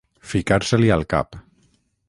Ficar-se-li al cap.